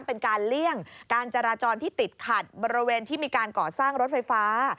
เลี่ยงการจราจรที่ติดขัดบริเวณที่มีการก่อสร้างรถไฟฟ้า